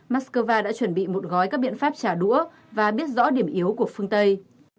moscow đã chuẩn bị một gói các biện pháp trả đũa và biết rõ điểm yếu của phương tây